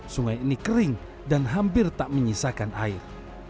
sungai ini kering dan hampir tak menyisakan air